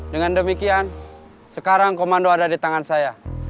dengan demikian sekarang komando ada di tangan saya